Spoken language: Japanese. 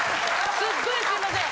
すっごいすいません。